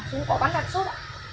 súng có bắn đạn sốt ạ